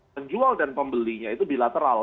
penjual dan pembelinya itu bilateral